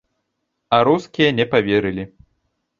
А рускія не паверылі.